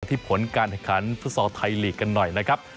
ที่ผลการแข่งขันฟุตซอลไทยลีกกันหน่อยนะครับ